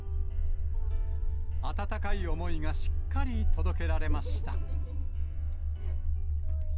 温かい思いがしっかり届けられました。